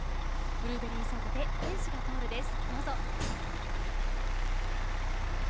ブルーベリーソーダで「天使が通る」です。